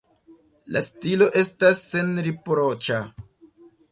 La stilo estas senriproĉa.